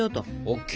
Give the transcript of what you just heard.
ＯＫ。